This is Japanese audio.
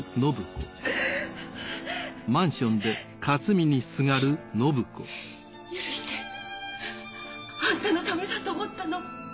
克巳許して！あんたのためだと思ったの。